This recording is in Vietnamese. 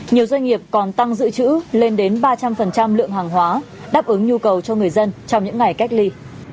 nhiều doanh nghiệp còn tăng dự trữ lên đến ba trăm linh lượng hàng hóa đáp ứng nhu cầu cho người dân trong những ngày cách ly